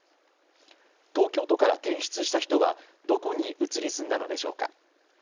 東京都から転出した人はどこに移り住んだのでしょうか。